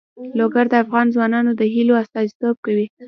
لوگر د افغان ځوانانو د هیلو استازیتوب کوي.